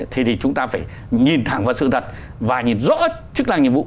thế thì chúng ta phải nhìn thẳng vào sự thật và nhìn rõ chức năng nhiệm vụ